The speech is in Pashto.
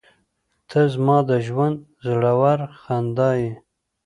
• ته زما د ژونده زړور خندا یې.